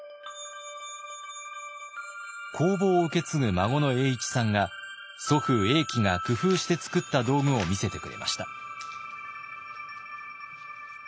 工房を受け継ぐ孫の栄市さんが祖父栄喜が工夫して作った道具を見せてくれました。